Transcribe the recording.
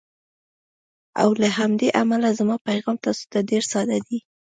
او له همدې امله زما پیغام تاسو ته ډېر ساده دی: